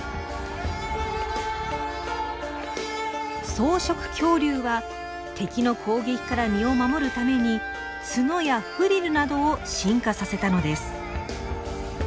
草食恐竜は敵の攻撃から身を守るために角やフリルなどを進化させたのです。